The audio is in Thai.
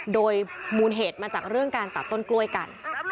โดยมูลเหตุมาจากเรื่องการตัดต้นกล้วยกัน